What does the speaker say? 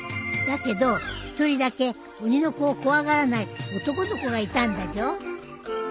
だけど一人だけ鬼の子を怖がらない男の子がいたんだじょ。